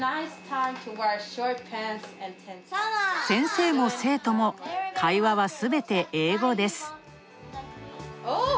先生も生徒も会話はすべて英語です。